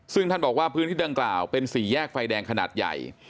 ซึ่งท่านบอกว่าพื้นที่ดังกล่าวเป็นสี่แยกไฟแดงขนาดใหญ่